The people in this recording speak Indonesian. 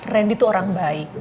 randy itu orang baik